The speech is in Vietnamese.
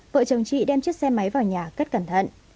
vợ chồng chị đem chiếc xe máy vào nhà cất cẩn thận